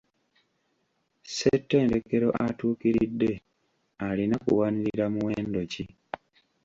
Ssettendekero atuukiridde alina kuwanirira muwendo ki?